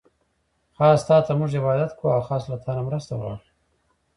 خاص تاته مونږ عبادت کوو، او خاص له نه مرسته غواړو